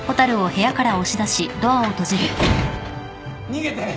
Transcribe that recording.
逃げて！